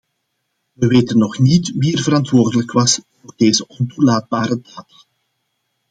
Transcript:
We weten nog niet wie er verantwoordelijk was voor deze ontoelaatbare daad.